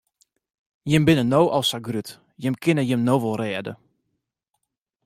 Jimme binne no al sa grut, jimme kinne jim no wol rêde.